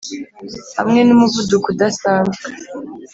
hamwe n'umuvuduko udasanzwe.